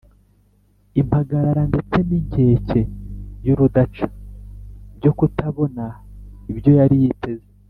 impagarara ndetse n’inkeke y’urudaca byo kutabona ibyo yari yiteze